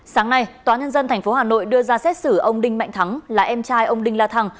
sáng nay tòa nhân dân tp hà nội đưa ra xét xử ông đinh mạnh thắng là em trai ông đinh la thăng